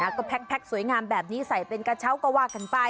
ก็แพ็คสวยงามแบบนี้ใส่เป็นกระเช้าก็ว่ากันไป